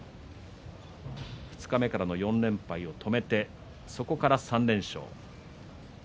二日目からの４連敗を止めてそこからの３連勝。